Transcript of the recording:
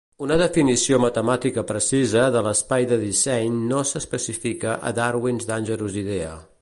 Una definició matemàtica precisa de l"Espai de disseny no s"especifica a "Darwin's Dangerous Idea".